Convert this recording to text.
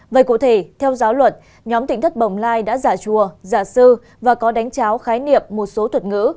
vậy cụ thể theo giáo luận nhóm tỉnh thất bồng lai đã giả chùa giả sư và có đánh cháo khái niệm một số thuật ngữ